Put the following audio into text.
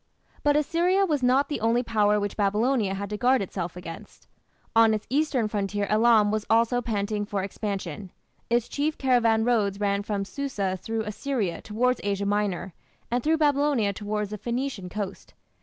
But Assyria was not the only power which Babylonia had to guard itself against. On its eastern frontier Elam was also panting for expansion. Its chief caravan roads ran from Susa through Assyria towards Asia Minor, and through Babylonia towards the Phoenician coast.